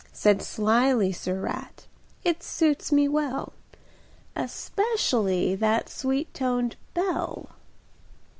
Said sly Sir Rat: "It suits me well, Especially that sweet toned bell."